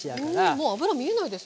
もう油見えないですもんね。